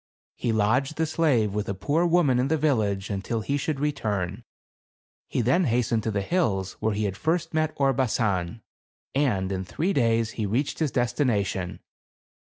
He lodged the slave with a poor woman in the village, until he should return. He then hastened to the hills where he had first met Orbasan, and in three days he reached his destination.